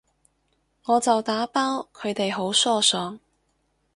我就打包，佢哋好疏爽